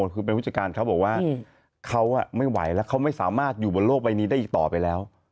คือเป็นผู้จัดการเขาบอกว่าเขาไม่ไหวแล้วเขาไม่สามารถอยู่บนโลกใบนี้ได้อีกต่อไปแล้ว